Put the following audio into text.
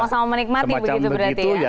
sama sama menikmati begitu berarti ya